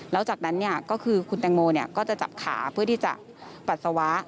แล้วจากนั้นก็คือคุณแตงโมก็จะจับขาเพื่อที่จะปัสสาวะ